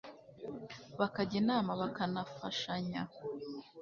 bakajya inama bakanafashanya